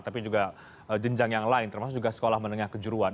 tapi juga jenjang yang lain termasuk juga sekolah menengah kejuruan